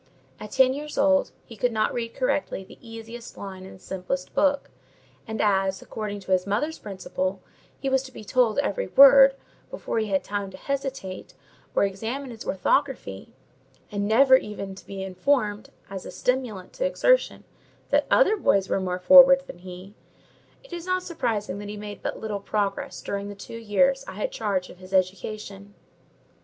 At ten years old, he could not read correctly the easiest line in the simplest book; and as, according to his mother's principle, he was to be told every word, before he had time to hesitate or examine its orthography, and never even to be informed, as a stimulant to exertion, that other boys were more forward than he, it is not surprising that he made but little progress during the two years I had charge of his education.